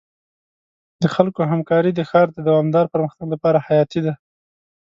د خلکو همکاري د ښار د دوامدار پرمختګ لپاره حیاتي ده.